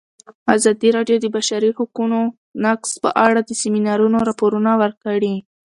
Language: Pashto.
ازادي راډیو د د بشري حقونو نقض په اړه د سیمینارونو راپورونه ورکړي.